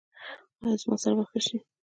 ایا زما سر به ښه شي؟